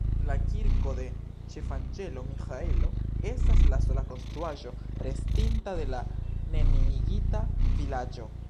La Kirko de Ĉefanĝelo Miĥaelo estas la sola konstruaĵo, restinta de la neniigita vilaĝo.